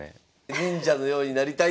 忍者のようになりたい。